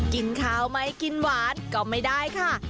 กินข้าวไหมกินหวานก็ไม่ได้ค่ะ